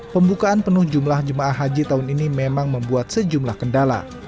pembukaan penuh jumlah jemaah haji tahun ini memang membuat sejumlah kendala